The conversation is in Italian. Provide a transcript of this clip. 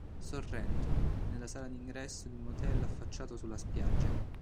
Sorrento, nella sala d'ingresso di un hotel affacciato sulla spiaggia.